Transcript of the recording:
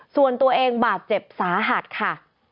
ส่วนตัวเองบาดเจ็บสาหัสค่ะ